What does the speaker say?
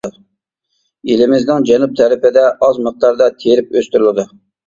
ئېلىمىزنىڭ جەنۇب تەرىپىدە ئاز مىقداردا تېرىپ ئۆستۈرۈلىدۇ.